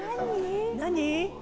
何？